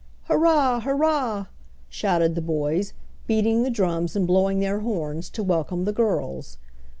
"Hurrah! hurrah!" shouted the boys, beating the drums and blowing their horns to welcome the girls.